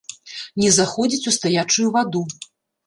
Не заходзіць у стаячую ваду.